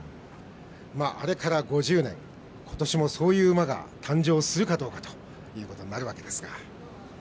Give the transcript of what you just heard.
あれから５０年今年も、そういう馬が誕生するかどうかということになるわけですが。